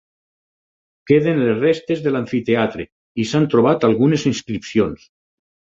Queden les restes de l'amfiteatre i s'han trobat algunes inscripcions.